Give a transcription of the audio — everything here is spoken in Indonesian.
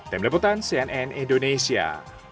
tim leputan cnn indonesia